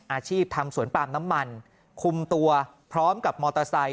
อาชีพทำสวนปาล์มน้ำมันคุมตัวพร้อมกับมอเตอร์ไซค